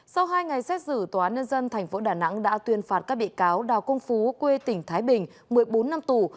sau hai ngày xét xử tòa án nhân dân tp đà nẵng đã tuyên phạt các bị cáo đào công phú quê tỉnh thái bình một mươi bốn năm tù